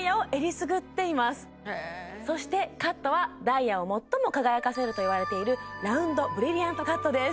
そしてカットはダイヤを最も輝かせるといわれているラウンドブリリアントカットです